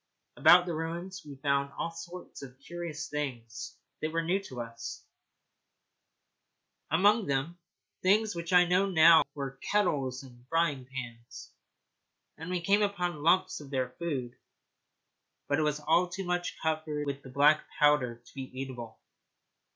About the ruins we found all sorts of curious things that were new to us among them, things which I now know were kettles and frying pans; and we came across lumps of their food, but it was all too much covered with the black powder to be eatable.